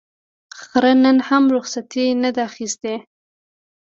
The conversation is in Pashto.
خره نن هم رخصتي نه ده اخیستې.